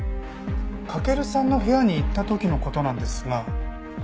駆さんの部屋に行った時の事なんですが。